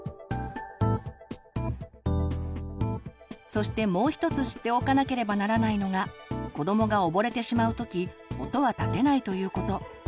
そしてもう一つ知っておかなければならないのが子どもが溺れてしまう時音は立てないということ。